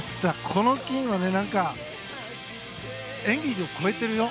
この金は、演技を超えてるよ。